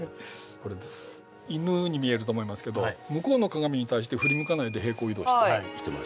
これです犬に見えると思いますけど向こうの鏡に対して振り向かないで平行移動してはいしてます